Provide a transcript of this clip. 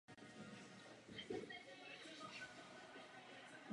Antická bohyně lásky spí v otevřené krajině.